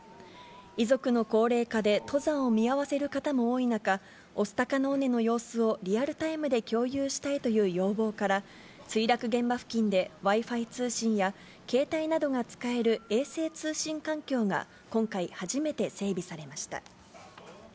遺族の高齢化で登山を見合わせる方も多い中、御巣鷹の尾根の様子をリアルタイムで共有したいという要望から、墜落現場付近で、Ｗｉ−Ｆｉ通信や、携帯などが使える衛星通信環境が今回、初めて整備されました。